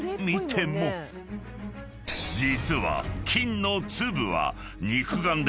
［実は］